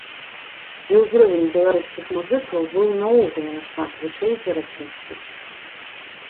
І ўзровень беларускіх музыкаў быў наогул нашмат вышэй за расійскіх.